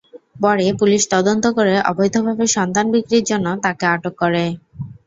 পরে পুলিশ তদন্ত করে অবৈধভাবে সন্তান বিক্রির জন্য তাঁকে আটক করে।